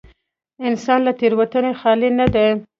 انسان له تېروتنې خالي نه دی.